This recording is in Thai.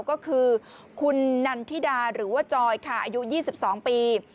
ก็คือคุณนันทิดาหรือว่าจอยค่ะอายุ๒๒ปี